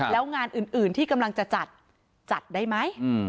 แล้วงานอื่นที่กำลังจะจัดจัดได้ไหม